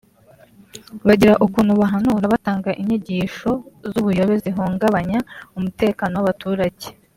bagira ukuntu bahanura batanga inyigisho z’ubuyobe zihungagbanya umutekano w’abaturage”